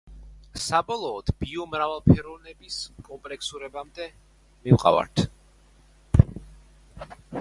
საბოლოოდ ბიომრავალფეროვნების კომპლექსურობამდე მივყავართ.